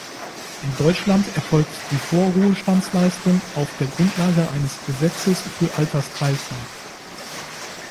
In Deutschland erfolgt die Vorruhestandsleistung auf der Grundlage eines Gesetzes für Altersteilzeit.